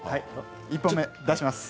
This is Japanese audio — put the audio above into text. １本目、出します。